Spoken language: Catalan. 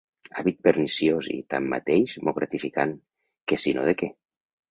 Hàbit perniciós i, tanmateix, molt gratificant, que sinó de què!